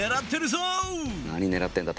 何ねらってんだ？